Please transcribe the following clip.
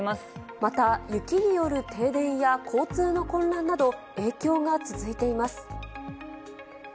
また雪による停電や交通の混乱など、影響が続いています。